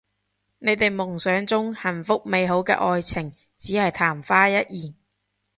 你哋夢想中幸福美好嘅愛情只係曇花一現